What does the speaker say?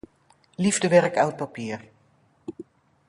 Liefdewerk oud papier.